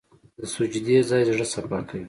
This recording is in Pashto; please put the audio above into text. د سجدې ځای د زړه صفا کوي.